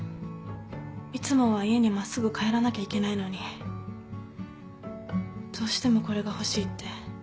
いつもは家に真っすぐ帰らなきゃいけないのにどうしてもこれが欲しいって。